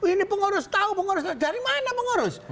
ini pengurus tahu dari mana pengurus